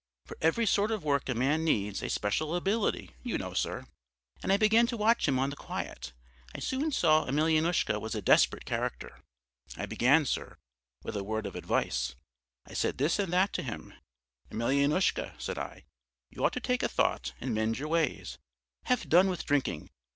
For every sort of work a man needs a special ability, you know, sir. And I began to watch him on the quiet; I soon saw Emelyanoushka was a desperate character. I began, sir, with a word of advice: I said this and that to him. 'Emelyanoushka,' said I, 'you ought to take a thought and mend your ways. Have done with drinking!